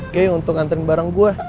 kayaknya untuk antren bareng gue